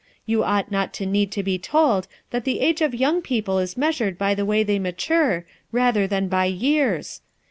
You ought not to need to be told that the age of young people is measured by the way they mature rather than by years.